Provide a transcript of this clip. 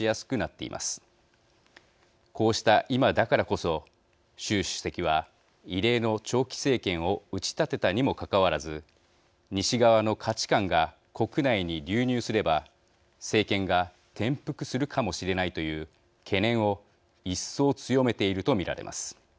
こうした今だからこそ習主席は異例の長期政権を打ち立てたにもかかわらず西側の価値観が国内に流入すれば政権が転覆するかもしれないという懸念を一層強めていると見られます。